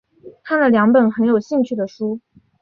看了两本很有兴趣的书